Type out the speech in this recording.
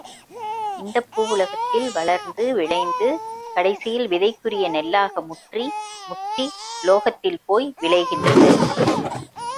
இந்தப் பூவுலகத்தில் வளர்ந்து விளைந்து கடைசியில் விதைக்குரிய நெல்லாக முற்றி முத்தி லோகத்தில் போய் விளைகின்றது.